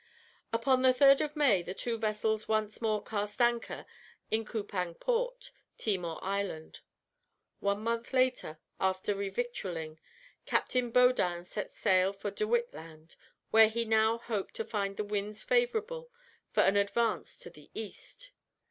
Upon the 3rd of May the two vessels once more cast anchor in Coupang Port, Timor Island. One month later, after revictualling, Captain Baudin set sail for De Witt Land, where he now hoped to find the winds favourable for an advance to the east.